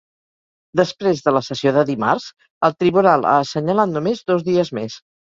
Després de la sessió de dimarts, el tribunal ha assenyalat només dos dies més.